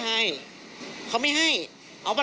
ถ้าเขาถูกจับคุณอย่าลืม